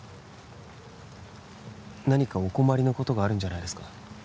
何かお困りのことがあるんじゃないですか？